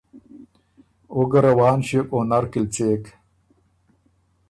او ګۀ روان ݭیوک او نر کی ل څېک۔